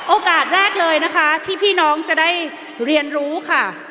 โอกาสแรกเลยนะคะที่พี่น้องจะได้เรียนรู้ค่ะ